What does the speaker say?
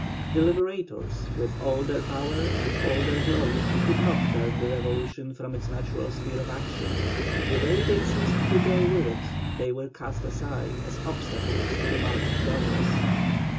The Liberators, with all their power and all their glory, could not turn the revolution from its natural sphere of action; the day they ceased to go with it they were cast aside as obstacles to the march of progress.